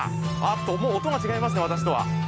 もう音が違いますね、私とは。